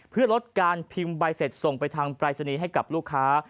เพื่อลดการพิมพ์ใบเสร็จส่งไปทางปรายศนีย์ให้กับลูกค้า